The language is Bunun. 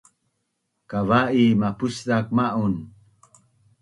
Kavai mapuszak ma’un